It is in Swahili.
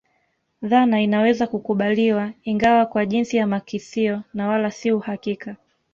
Dhana inaweza kukubaliwa ingawa kwa jinsi ya makisio na wala si uhakika